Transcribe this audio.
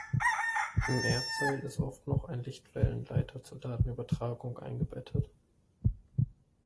Im Erdseil ist oft noch ein Lichtwellenleiter zur Datenübertragung eingebettet.